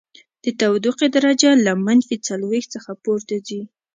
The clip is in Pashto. د تودوخې درجه له منفي څلوېښت څخه پورته ځي